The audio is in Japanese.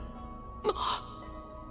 なっ。